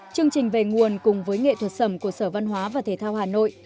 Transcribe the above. chương trình về nguồn cùng với nghệ thuật sầm của sở văn hóa và thể thao hà nội